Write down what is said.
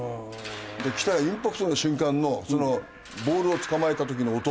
きたインパクトの瞬間のボールを捕まえた時の音。